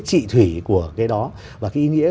phong thủy của cái đó và cái ý nghĩa